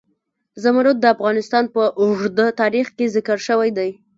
زمرد د افغانستان په اوږده تاریخ کې ذکر شوی دی.